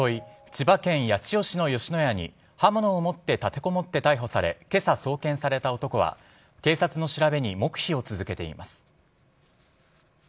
千葉県八千代市の吉野家に刃物を持って立てこもって逮捕され今朝、送検された男は警察の調べに黙秘を続けています。